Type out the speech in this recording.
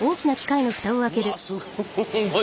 うわっすんごい。